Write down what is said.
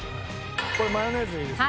これマヨネーズでいいですか？